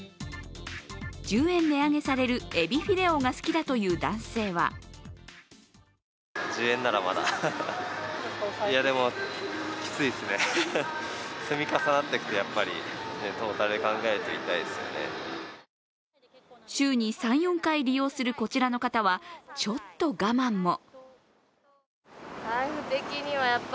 １０円値上げされるえびフィレオが好きだという男性は週に３４回利用するこちらの方は、ちょっと我慢も。